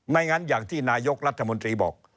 งั้นอย่างที่นายกรัฐมนตรีบอก